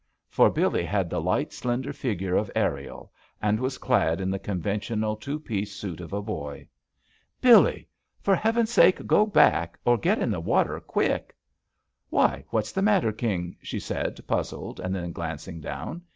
For Billee had the light, slender figure of Ariel and was clad in the conventional two piece suit of a boy. "Billee 1 For heaven's sake, go backl or get in the water quick 1" "Why, what's the matter. King?" she said, puzzled, and then glancing down.